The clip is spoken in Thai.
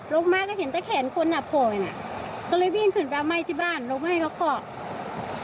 ลงมาก็เห็นแต่แขนคนอ่ะโหยน่ะก็เลยวิ่งขึ้นไปเอาไม้ที่บ้านลงให้เค้าเกาะ